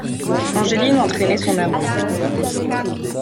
Angeline entraînait son amant.